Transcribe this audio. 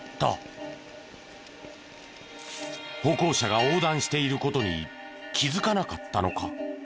歩行者が横断している事に気づかなかったのか？